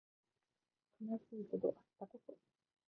悲しいけど明日こそ